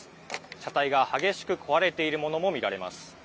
車体が激しく壊れているものも見られます。